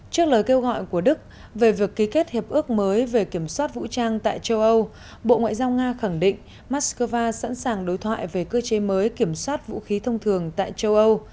trước lời kêu gọi của đức về việc ký kết hiệp ước mới về kiểm soát vũ trang tại châu âu bộ ngoại giao nga khẳng định moscow sẵn sàng đối thoại về cơ chế mới kiểm soát vũ khí thông thường tại châu âu